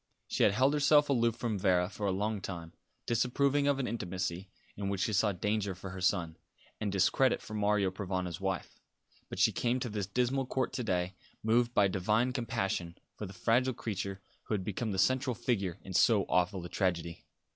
She had held herself aloof from Vera for a long time, disapproving of an intimacy in which she saw danger for her son, and discredit for Mario Provana's wife; but she came to this dismal court to day moved by divine compassion for the fragile creature who had become the central figure in so awful a tragedy.